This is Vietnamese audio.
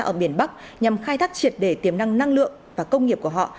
ở biển bắc nhằm khai thác triệt đề tiềm năng năng lượng và công nghiệp của họ